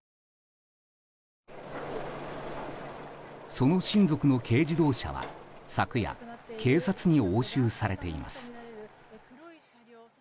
その親族の軽自動車は昨夜、警察に押収されています。